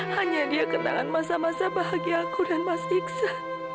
hanya dia kenangan masa masa bahagia aku dan maksudnya